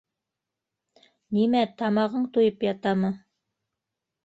-Нимә, тамағың туйып ятамы?